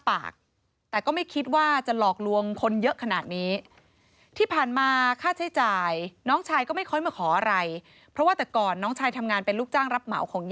ผมซ้ำนึกแล้วครับผมขอโทษหมดผมยอมรับไปทุกอย่างครับ